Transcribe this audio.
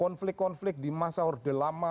konflik konflik di masa orde lama